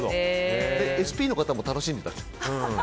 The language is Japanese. ＳＰの方も楽しんでたと。